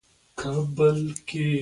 په دنیا او آخرت کې به بریالی وي.